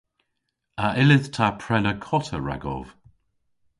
A yllydh ta prena kota ragov?